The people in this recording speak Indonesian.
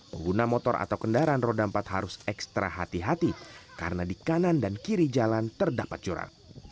pengguna motor atau kendaraan roda empat harus ekstra hati hati karena di kanan dan kiri jalan terdapat jurang